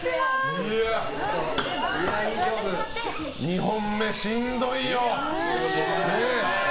２本目、しんどいよ。